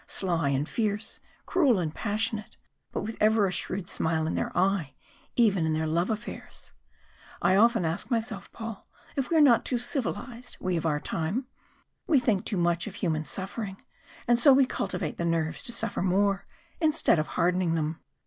Sly and fierce cruel and passionate but with ever a shrewd smile in their eye, even in their love affairs. I often ask myself, Paul, if we are not too civilised, we of our time. We think too much of human suffering, and so we cultivate the nerves to suffer more, instead of hardening them.